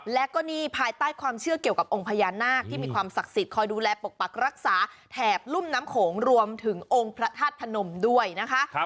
และก็นี่ภายใต้ความเชื่อเกี่ยวกับองค์พญานาคที่มีความศักดิ์สิทธิ์คอยดูแลปกปักรักษาแถบรุ่มน้ำโขงรวมถึงองค์พระธาตุพนมด้วยนะคะ